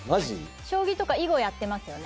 将棋とか囲碁やってますよね。